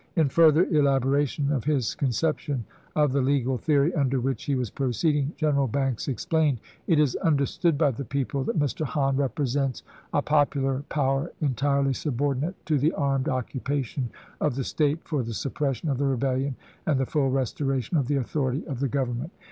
In further elaboration of his conception of the legal theory under which he was proceeding, Greneral Banks explained :" It is understood by the people that Mr. Hahn represents a popular power entirely subordinate to the armed occupation of the State for the suppression of the rebellion and the full restoration of the authority of the Government.